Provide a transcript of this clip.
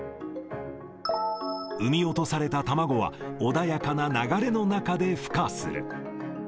産み落とされた卵は、穏やかな流れの中でふ化する。